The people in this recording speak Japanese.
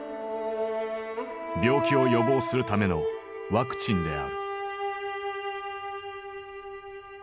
病気を予防するためのワクチンである。